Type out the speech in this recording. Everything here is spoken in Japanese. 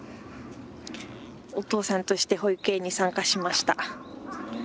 お父さんとして保育園に参加しました。